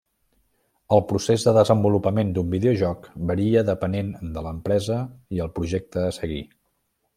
El procés de desenvolupament d'un videojoc varia depenent de l'empresa i el projecte a seguir.